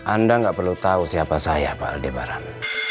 anda gak perlu tahu siapa saya pak aldebaran